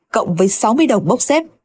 cộng với sáu mươi đồng bốc xếp